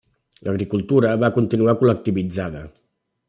L'agricultura va continuar col·lectivitzada.